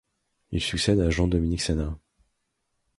Il succède à Jean-Dominique Senard.